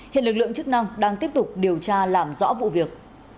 hiện lực lượng chức năng đang tiếp tục điều tra làm rõ vụ việc